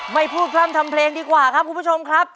ไม่พูดพร่ำทำเพลงดีกว่าครับคุณผู้ชมครับ